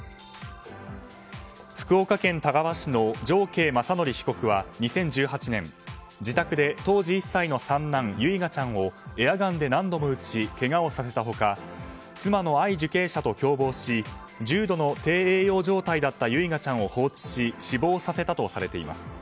福岡県田川市の常慶雅則被告は２０１８年自宅で当時１歳の三男・唯雅ちゃんをエアガンで何度も撃ちけがをさせた他妻の藍受刑者と共謀し重度の低栄養状態だった唯雅ちゃんを放置し死亡させたとされています。